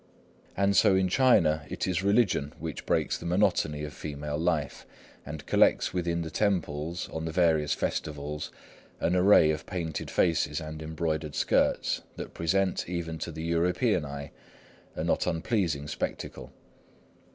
And so in China, it is religion which breaks the monotony of female life, and collects within the temples, on the various festivals, an array of painted faces and embroidered skirts that present, even to the European eye, a not unpleasing spectacle.